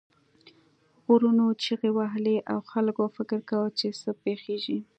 غرونو چیغې وهلې او خلک فکر کاوه چې څه پیښیږي.